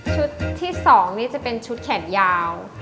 ที่๒นี่จะเป็นชุดแขนยาว